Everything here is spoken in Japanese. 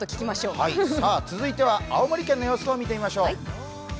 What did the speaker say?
続いては青森県の様子を見てみましょう。